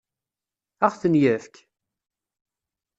Ad ɣ-ten-yefk?